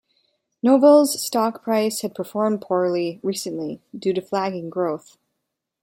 Novell's stock price had performed poorly recently due to flagging growth.